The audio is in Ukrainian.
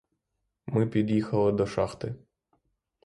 Ми під'їхали до шахти.